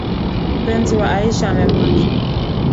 Mpenzi wa Aisha amemwacha.